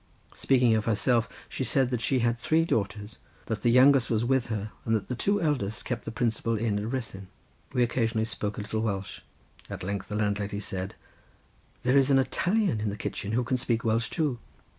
Speaking of herself, she said that she had three daughters, that the youngest was with her and that the two eldest kept the principal inn at Ruthyn. We occasionally spoke a little Welsh. At length the landlady said, "There is an Italian in the kitchen who can speak Welsh too.